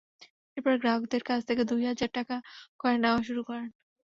এরপর গ্রাহকদের কাছ থেকে দুই হাজার টাকা করে নেওয়া শুরু করেন।